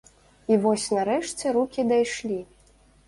І вось нарэшце рукі дайшлі.